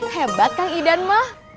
hebat kang idan mah